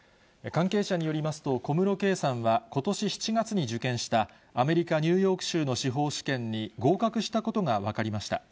関係者によりますと、小室圭さんは、ことし７月に受験したアメリカ・ニューヨーク州の司法試験に合格したことが分かりました。